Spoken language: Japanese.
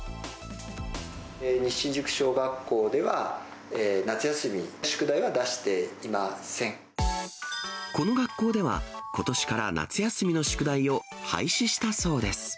西新宿小学校では、夏休みのこの学校では、ことしから夏休みの宿題を廃止したそうです。